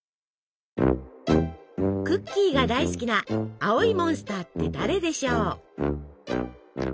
クッキーが大好きな青いモンスターって誰でしょう？